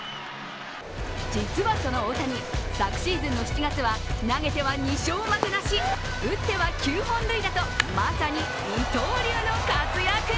実はその大谷、昨シーズンの７月は投げては２勝負けなし、打っては９本塁打とまさに二刀流の活躍。